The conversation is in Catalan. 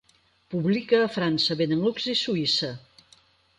Publica a França, Benelux i Suïssa.